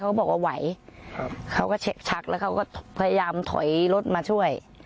เค้าบอกว่าเห็นแล้วก็ชักแล้วเค้าก็ทดลองถอยรถมาช่วย